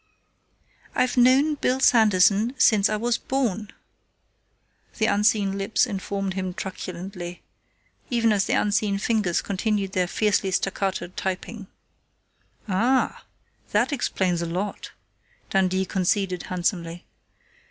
"I've known Bill Sanderson since I was born," the unseen lips informed him truculently, even as the unseen fingers continued their fiercely staccato typing. "Ah! That explains a lot!" Dundee conceded handsomely.